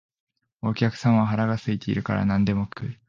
お客さんは腹が空いているから何でも食う